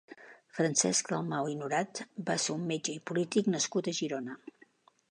Francesc Dalmau i Norat va ser un metge i polític nascut a Girona.